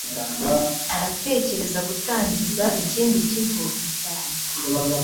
Aratekereza gutangiza ikindi kigo i Paris